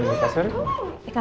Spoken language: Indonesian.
ikan suri yuk